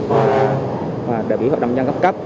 và đại biểu hợp đồng dân gấp cấp